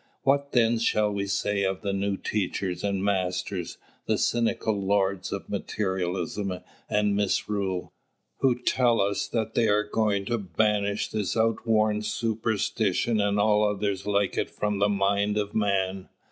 What then shall we say of the new teachers and masters, the cynical lords of materialism and misrule, who tell us that they are going to banish this outworn superstition and all others like it from the mind of man?